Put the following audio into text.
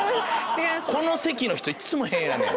この席の人いっつも変やねん。